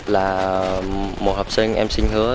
là một học sinh em xin hứa